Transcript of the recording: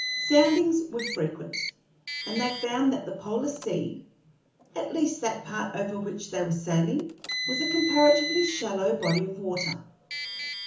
Soundings were frequent, and they found that the polar sea at least that part over which they were sailing was a comparatively shallow body of water.